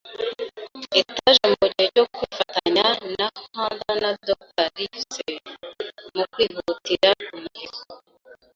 etage mugihe cyo kwifatanya na Hunter na Dr. Livesey mukwihutira umuheto.